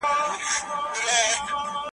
د زړه له درده مي دا غزل ولیکله ,